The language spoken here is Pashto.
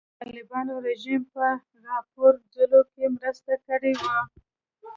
د طالبانو رژیم په راپرځولو کې مرسته کړې وه.